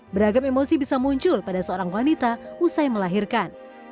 beragam emosi bisa muncul pada seorang wanita usai melahirkan